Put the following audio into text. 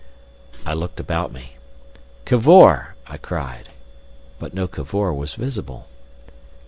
I looked about me. "Cavor!" I cried; but no Cavor was visible.